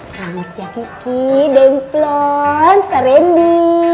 selamat ya kiki dempun pak randy